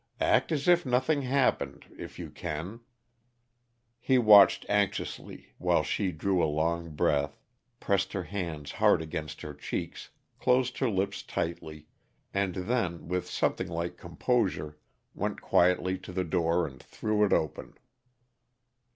"Act as if nothing happened if you can." He watched anxiously, while she drew a long breath, pressed her hands hard against her cheeks, closed her lips tightly, and then, with something like composure, went quietly to the door and threw it open.